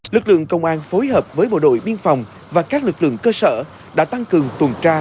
lực lượng công an phối hợp với bộ đội biên phòng và các lực lượng cơ sở đã tăng cường tuần tra